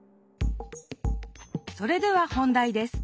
それでは本題です。